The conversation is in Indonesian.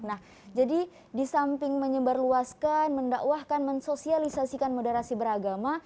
nah jadi di samping menyebarluaskan mendakwahkan mensosialisasikan moderasi beragama